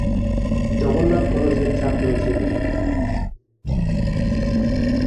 জগন্নাথ কলেজের ছাত্র ছিলেন।